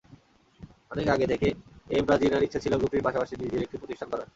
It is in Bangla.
অনেক আগে থেকে এমরাজিনার ইচ্ছে ছিল গ্রুপটির পাশাপাশি নিজের একটি প্রতিষ্ঠান গড়ার।